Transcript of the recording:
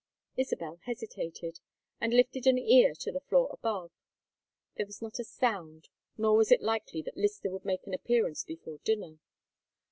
Isabel hesitated, and lifted an ear to the floor above. There was not a sound, nor was it likely that Lyster would make his appearance before dinner.